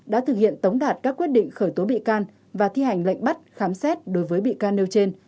đã thực hiện tống đạt các quyết định khởi tố bị can và thi hành lệnh bắt khám xét đối với bị can nêu trên